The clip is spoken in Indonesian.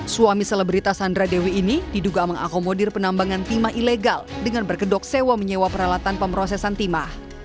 suami selebritas sandra dewi ini diduga mengakomodir penambangan timah ilegal dengan berkedok sewa menyewa peralatan pemrosesan timah